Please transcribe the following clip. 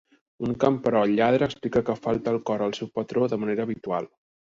Un camperol lladre explica que falta el cor al seu patró de manera habitual.